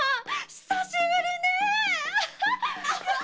久しぶりねえ‼